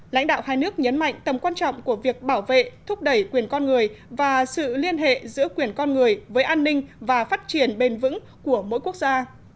lãnh đạo hai nước nhấn mạnh tầm quan trọng của việc bảo vệ thúc đẩy quyền con người và sự liên hệ giữa quyền con người với an ninh và phát triển bền vững của mỗi quốc gia